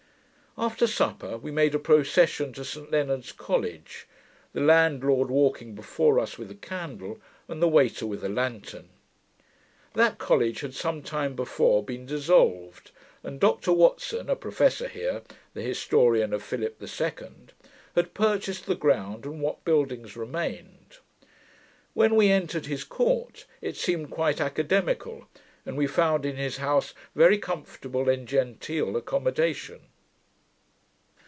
After supper, we made a procession to Saint Leonard's College, the landlord walking before us with a candle, and the waiter with a lantern. That college had some time before been dissolved; and Dr Watson, a professor here (the historian of Phillip II), had purchased the ground, and what buildings remained. When we entered his court, it seemed quite academical; and we found in his house very comfortable and genteel accommodation.